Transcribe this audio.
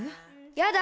やだ！